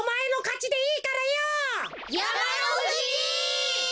やまのふじ！